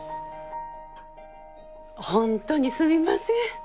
本当にすみません。